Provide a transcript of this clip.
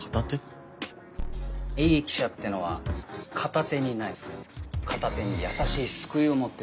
いい記者ってのは片手にナイフ片手に優しい救いを持ってる。